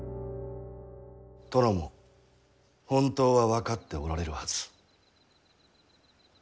殿も本当は分かっておられるはず。